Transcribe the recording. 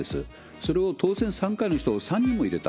それを当選３回の人を３人も入れた。